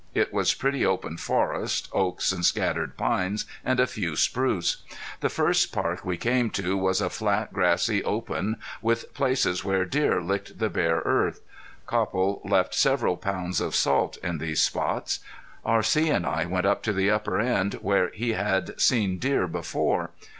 It was pretty open forest, oaks and scattered pines, and a few spruce. The first park we came to was a flat grassy open, with places where deer licked the bare earth. Copple left several pounds of salt in these spots. R.C. and I went up to the upper end where he had seen deer before.